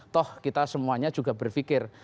toh kita semuanya juga berpikir